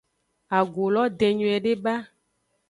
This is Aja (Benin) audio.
Agu lo den nyuiede ba.